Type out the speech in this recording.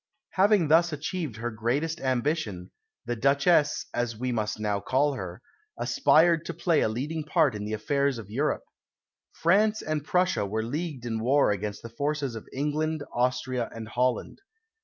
Having thus achieved her greatest ambition, the Duchesse (as we must now call her) aspired to play a leading part in the affairs of Europe. France and Prussia were leagued in war against the forces of England, Austria, and Holland.